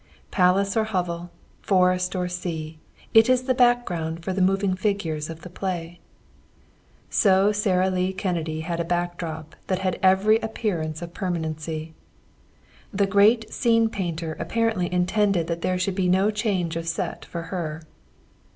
Palace or hovel, forest or sea, it is the background for the moving figures of the play. So Sara Lee Kennedy had a back drop that had every appearance of permanency. The great Scene Painter apparently intended that there should be no change of set for her.